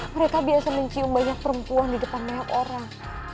mereka biasa mencium banyak perempuan di depan banyak orang